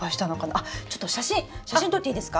あちょっと写真写真撮っていいですか？